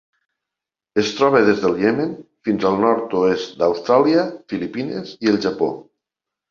Es troba des del Iemen fins al nord-oest d'Austràlia, Filipines i el Japó.